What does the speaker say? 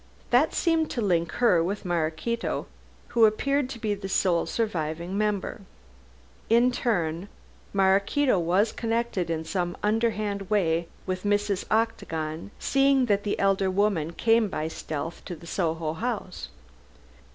That seemed to link her with Maraquito, who appeared to be the sole surviving member. In her turn, Maraquito was connected in some underhand way with Mrs. Octagon, seeing that the elder woman came by stealth to the Soho house.